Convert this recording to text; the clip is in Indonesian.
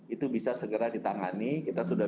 itu bisa segera ditangani kita sudah